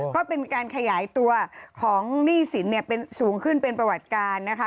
ก็เป็นการขยายตัวของหนี้สินสูงขึ้นเป็นประวัติการนะคะ